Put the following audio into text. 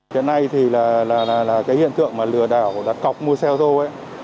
hiện nay thì là cái hiện tượng mà lừa đảo đặt cọc mua xe ô tô ấy